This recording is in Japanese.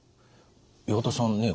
岩田さんね